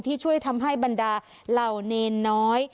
ที่ช่วยทำให้บรรดาเหล่าเนรน้อย